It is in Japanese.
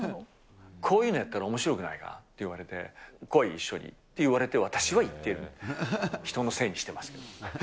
こういうのやったらおもしろくないか？って言われて、来い、一緒にって言われて私は行っている。